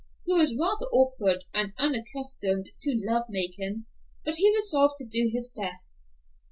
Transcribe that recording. He was rather awkward and unaccustomed to love making, but he resolved to do his best.